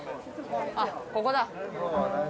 あっ、ここだ。